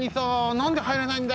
なんではいれないんだよ。